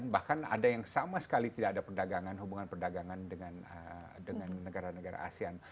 bahkan ada yang sama sekali tidak ada perdagangan hubungan perdagangan dengan negara negara asean